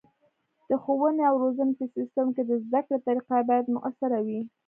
د ښوونې او روزنې په سیستم کې د زده کړې طریقه باید مؤثره وي.